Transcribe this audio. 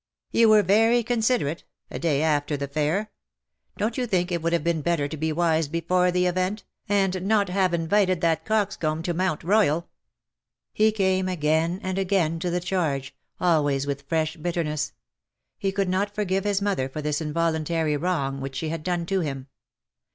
"" You were very considerate — a day after the fair. Don^t you think it would have been better to be wise before the event, and not to have invited that coxcomb to Mount Royal 1" He came again and again to the charge, always with fresh bitterness. He could not forgive his mother for this involuntary wrong which she had done to him.